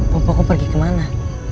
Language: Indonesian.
bopomu pergi kemana